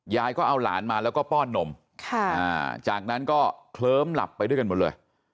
ยายก็เอาหลานมาแล้วก็ป้อนนมจากนั้นก็เคลิ้มหลับไปด้วยกันหมดเลย